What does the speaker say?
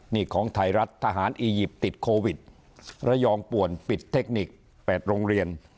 นี่ของไทยรัฐทหารอียิปต์ติดโควิดระยองป่วนปิดเทคนิค๘โรงเรียน